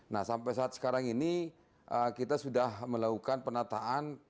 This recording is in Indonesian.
nah sampai saat sekarang ini kita sudah melakukan penataan